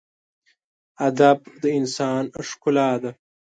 ادب د انسان ښکلا ده.